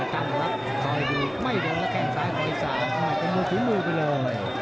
กลับลับคอยดูไม่เดินแล้วแข้งซ้ายโดยสาวไม่เดินแล้วทิ้งมือไปเลย